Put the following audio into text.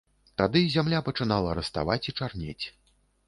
Тады зямля пачынала раставаць і чарнець.